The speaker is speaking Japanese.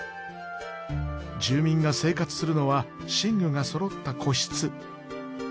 住民が生活するのは寝具がそろった個室。